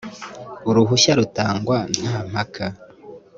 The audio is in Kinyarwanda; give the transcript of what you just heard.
uruhushya rutangwa nta mpaka